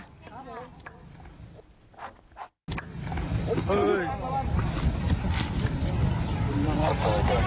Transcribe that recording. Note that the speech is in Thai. เฮ่ย